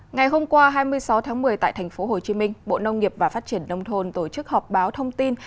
ngày hôm qua hai mươi sáu tháng một mươi tại tp hcm bộ nông nghiệp và phát triển nông thôn tổ chức họp báo thông tin